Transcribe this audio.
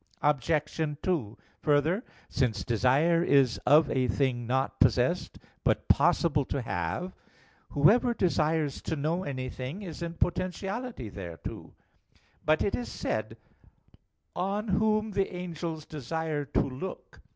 Obj. 2: Further, since desire is of a thing not possessed but possible to have, whoever desires to know anything is in potentiality thereto. But it is said (1 Pet. 1:12): "On Whom the angels desire to look."